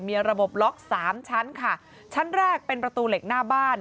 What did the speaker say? มีระบบล็อกสามชั้นค่ะชั้นแรกเป็นประตูเหล็กหน้าบ้าน